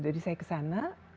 jadi saya ke sana